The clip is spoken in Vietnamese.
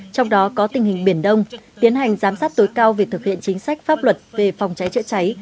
trong đó có tình hình biển đông tiến hành giám sát tối cao việc thực hiện chính sách pháp luật về phòng cháy chữa cháy